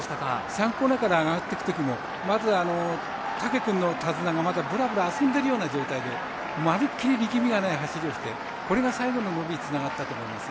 ３コーナーから上がっていくときも武君の手綱がまだ、ぶらぶら遊んでいるような段階でまるっきり力みがない走りをしてこれが最後の伸びにつながったと思います。